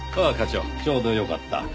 ちょうどよかった。